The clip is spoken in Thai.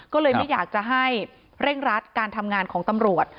ก็เลยไม่อยากจะให้เร่งรัดการทำงานของตำรวจ